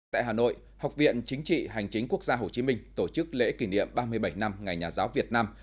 tại hà nội học viện chính trị hành chính quốc gia hồ chí minh tổ chức lễ kỷ niệm ba mươi bảy năm ngày nhà giáo việt nam